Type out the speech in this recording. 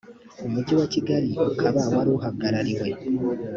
umujyi wa kigali ukaba wari uwuhagarariwe